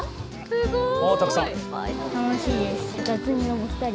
すごーい！